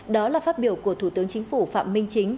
đó là phát biểu của thủ tướng chính phủ phạm minh chính